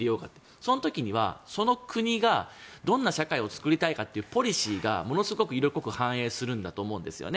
その時にはその国がどんな社会を作りたいかというポリシーがものすごく色濃く反映するんだと思うんですよね。